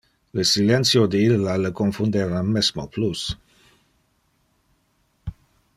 Le silentio de illa le confundeva mesmo plus.